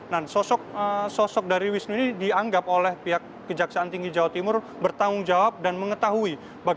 nah sosok dari wisnu ini dianggap oleh pihak kejaksaan tinggi jawa timur bertanggung jawab dan mengetahui